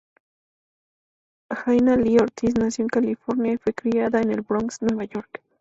Jaina Lee Ortiz nació en California y fue criada en El Bronx, Nueva York.